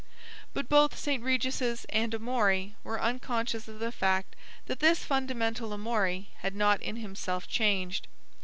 But both St. Regis' and Amory were unconscious of the fact that this fundamental Amory had not in himself changed.